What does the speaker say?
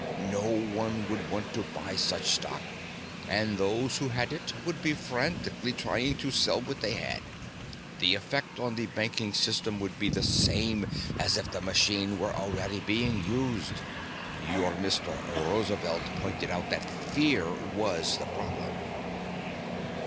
No one would want to buy such stock, and those who had it would be frantically trying to sell what they had. The effect on the banking system would be the same as if the machine were already being used. Your Mr. Roosevelt pointed out that fear was the problem."